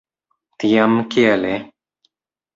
Tiam kiele?